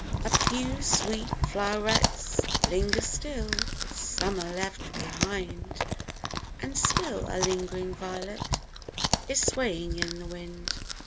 115 A few sweet flow'rets linger still, Which Summer left behind ; And still a lingering violet Is swaying in the wind.